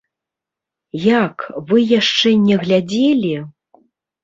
Як, вы яшчэ не глядзелі?